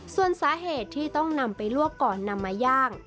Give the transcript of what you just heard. ส่วนสาเหตุที่ต้องนำไปลวกก่อนนำมาย่าง